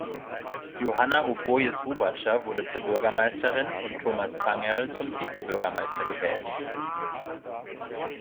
Johanna Obojes-Rubatscher wurde zur Bürgermeisterin und Thomas Zangerl zum Vizebürgermeister gewählt.